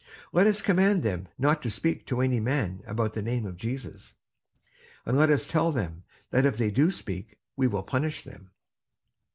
Let us command them not to speak to any man about the name of Jesus; and let us tell them, that if they do speak, we will punish them."